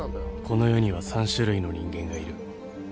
［この世には３種類の人間がいる］